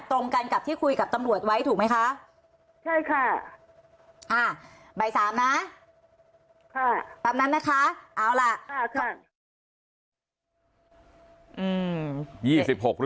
ตรงกันกับที่คุยกับตำรวจไว้ถูกไหมคะใช่ค่ะอ่าบ่าย๓นะค่ะแป๊บนั้นนะคะเอาล่ะ